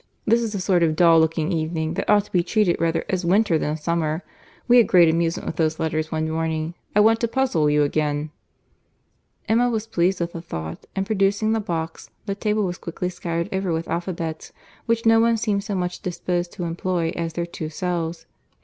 This is a sort of dull looking evening, that ought to be treated rather as winter than summer. We had great amusement with those letters one morning. I want to puzzle you again." Emma was pleased with the thought; and producing the box, the table was quickly scattered over with alphabets, which no one seemed so much disposed to employ as their two selves.